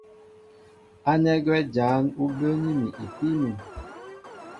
Ánɛ́ gwɛ́ jǎn ú bəə́ní mi ipíí mǐm.